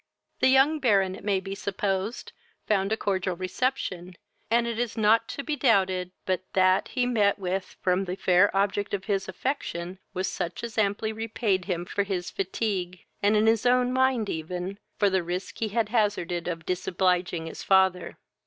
The young Baron, it may be supposed, found a cordial reception, and it is not to be doubted but that he met with from the fair object of his affection was such as amply repaid him for his fatigue, and in his own mind even, for the risk he had hazarded of disobliging his father.